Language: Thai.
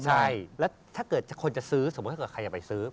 ใช่แล้วถ้าเกิดคนจะซื้อสมมุติถ้าเกิดใครจะไปซื้อ